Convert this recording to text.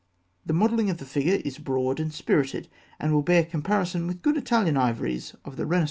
The modelling of the figure is broad and spirited, and will bear comparison with good Italian ivories of the Renaissance period.